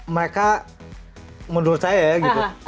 mereka menurut saya ya gitu